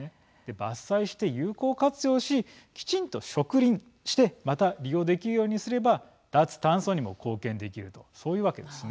伐採して有効活用しきちんと植林してまた利用できるようにすれば脱炭素にも貢献できるとそういうわけですね。